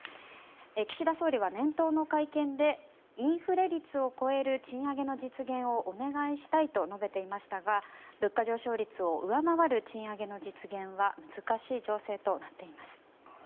岸田総理は年頭の会見でインフレ率を超える賃上げの実現をお願いしたいと述べていましたが物価上昇率を上回る賃上げの実現は難しい情勢となっています。